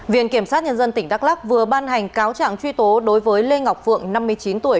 viện kiểm sát nhân dân tỉnh đắk lắc vừa ban hành cáo trạng truy tố đối với lê ngọc phượng năm mươi chín tuổi